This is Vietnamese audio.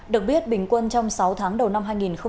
được biết bình quân trong sáu tháng đầu năm hai nghìn hai mươi